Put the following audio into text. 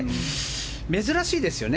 珍しいですよね。